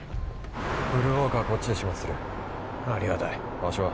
ブルーウォーカーはこっちで始末するありがたい場所は？